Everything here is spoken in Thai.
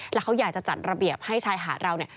แล้วเขาอยากจะจัดระเบียบให้ชายหาดเราเนี่ย